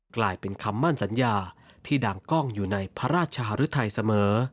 กลายเป็นคำมั่นสัญญาที่ดังกล้องอยู่ในพระราชหรือไทยเสมอ